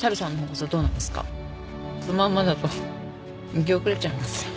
このまんまだと行き遅れちゃいますよ。